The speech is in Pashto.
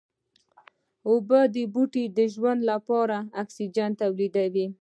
اوبو بوټي د ژوند لپاره اکسيجن توليدوي